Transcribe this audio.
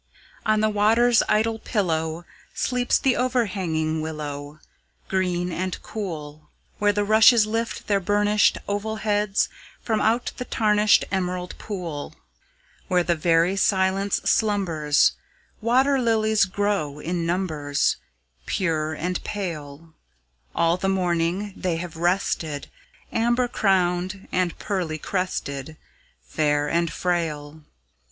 On the water's idle pillow Sleeps the overhanging willow, Green and cool; Where the rushes lift their burnished Oval heads from out the tarnished Emerald pool. Where the very silence slumbers, Water lilies grow in numbers, Pure and pale; All the morning they have rested, Amber crowned, and pearly crested, Fair and frail.